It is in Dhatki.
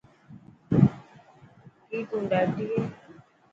ڪي تون ڌاٽي هي.